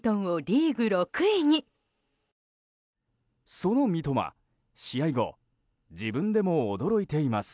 その三笘、試合後自分でも驚いています。